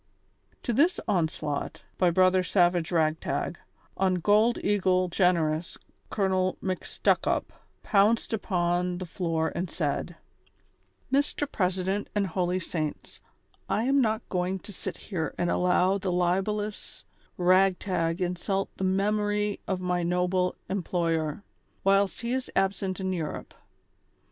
To this onslaught, by Brother Savage Ragtag, on Gold eagle Generous, Colonel ]SIcStuckup pounced upon the floor and said :" Mr. President and holy saints, I am not going to sit here and allow the libellous Ragtag insult the memory of my noble employer, wliilst he is absent in Europe.